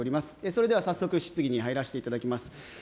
それでは早速質疑に入らせていただきます。